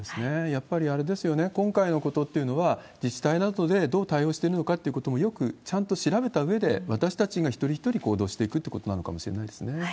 やっぱりあれですよね、今回のことっていうのは、自治体などでどう対応してるのかっていうこともよくちゃんと調べたうえで、私たちが一人一人行動していくっていうことなのかもしれないです